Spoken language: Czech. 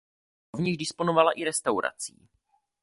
Rovněž disponovala i restaurací.